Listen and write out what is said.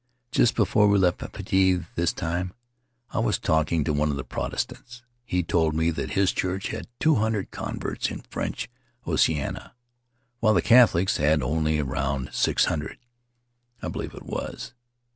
Just before we left Papeete this time I was talking to one of the Protestants. He told me that his Church had two thousand converts in French Oceania, while the Catholics had only around six hundred, I believe it was.